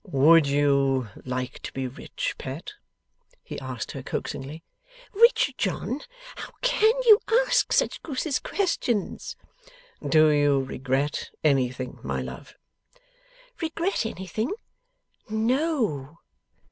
'Would you like to be rich, pet?' he asked her coaxingly. 'Rich, John! How CAN you ask such goose's questions?' 'Do you regret anything, my love?' 'Regret anything? No!